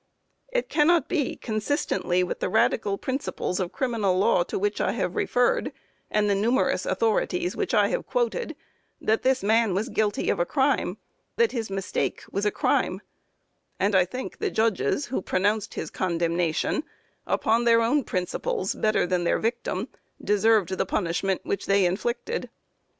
It cannot be, consistently with the radical principles of criminal law to which I have referred, and the numerous authorities which I have quoted, that this man was guilty of a crime, that his mistake was a crime, and I think the judges who pronounced his condemnation, upon their own principles, better than their victim, deserved the punishment which they inflicted.